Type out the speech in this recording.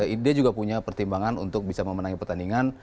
ide juga punya pertimbangan untuk bisa memenangi pertandingan